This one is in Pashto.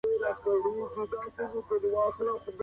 که څوک په مړه ګېډه بیا خوراک کوي نو ناروغه کیږي.